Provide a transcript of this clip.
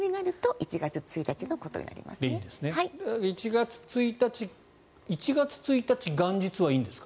１月１日元日はいいんですか？